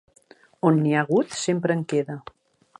On n'hi ha hagut sempre en queda.